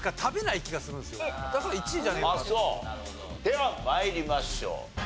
では参りましょう。